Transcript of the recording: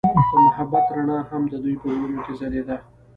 د محبت رڼا هم د دوی په زړونو کې ځلېده.